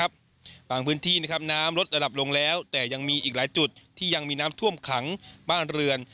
บางพื้นที่น้ำลดระดับลงแล้วแต่ยังมีอีกหลายจุดที่ยังมีน้ำท่วมขังบ้านเรือน